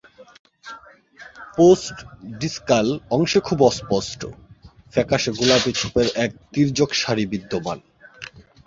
Post-discal অংশে খুব অস্পষ্ট, ফ্যাকাশে গোলাপি ছোপের এক তীর্যক সারি বিদ্যমান।